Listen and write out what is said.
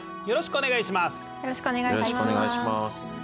よろしくお願いします。